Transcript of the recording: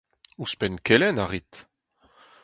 Ouzhpenn kelenn a rit.